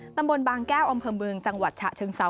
ตำบลบางแก้วอำเภอเมืองจังหวัดฉะเชิงเซา